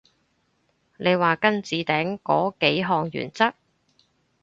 你話跟置頂嗰幾項原則？